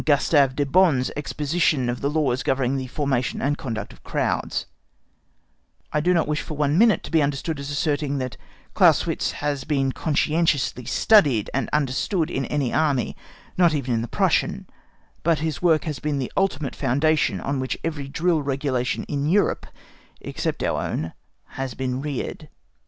Gustav de Bon's exposition of the laws governing the formation and conduct of crowds I do not wish for one minute to be understood as asserting that Clausewitz has been conscientiously studied and understood in any Army, not even in the Prussian, but his work has been the ultimate foundation on which every drill regulation in Europe, except our own, has been reared.